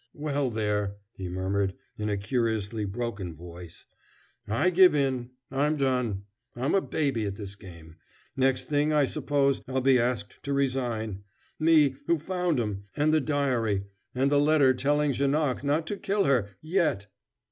"Well, there!" he murmured, in a curiously broken voice. "I give in! I'm done! I'm a baby at this game. Next thing, I suppose, I'll be asked to resign me, who found 'em, and the diary, and the letter telling Janoc not to kill her yet."